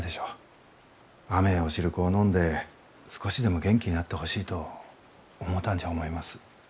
甘えお汁粉を飲んで少しでも元気になってほしいと思うたんじゃ思います。